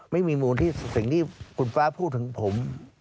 ไม่มีมูลที่สิ่งที่คุณฟ้าพูดถึงผม